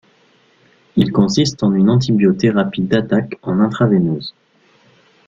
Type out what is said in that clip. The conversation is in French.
Il consiste en une antibiothérapie d’attaque en intraveineuse.